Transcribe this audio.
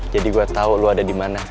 jadi gue tau lo ada dimana